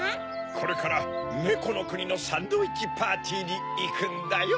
これからねこのくにのサンドイッチパーティーにいくんだよ。